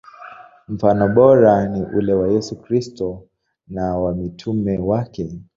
Mfano bora ni ule wa Yesu Kristo na wa mitume wake.